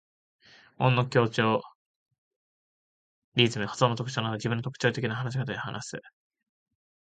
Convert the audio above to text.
音の強調、リズム、発音の特徴など自分の特徴的な話し方で話す。